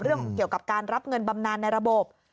เกี่ยวกับการรับเงินบำนานในระบบ